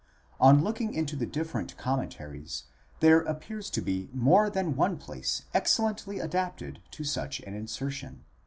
On looking into the different commentaries, there appears to be more than one place excellently adapted to such an insertion.